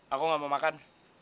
aku gak mau makan